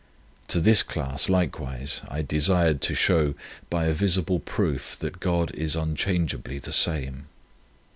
To this class likewise I desired to show, by a visible proof, that God is unchangeably the same.